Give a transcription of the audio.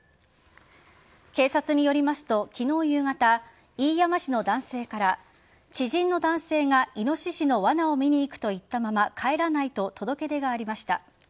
警察によりますと昨日夕方飯山市の男性から知人の男性がイノシシのわなを見に行くと言ったまま帰らないと届け出がありました。